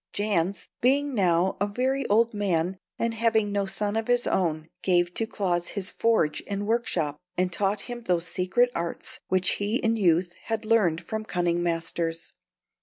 Jans, being now a very old man, and having no son of his own, gave to Claus his forge and workshop, and taught him those secret arts which he in youth had learned from cunning masters.